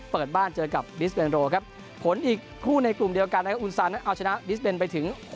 โปรดติดต่อไป